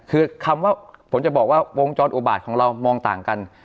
คือคำว่าผมจะบอกว่าวงจรอุบาตของเรามองต่างกัน